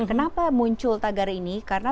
kenapa muncul tagar ini karena